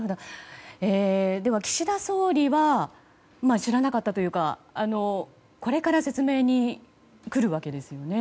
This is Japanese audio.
では、岸田総理は知らなかったというかこれから説明に来るわけですよね。